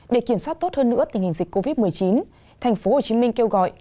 để kiểm soát tốt hơn nữa tình hình dịch covid một mươi chín thành phố hồ chí minh kêu gọi